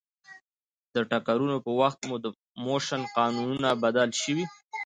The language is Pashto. د ټکرونو په وخت د موشن قانونونه بدل شي.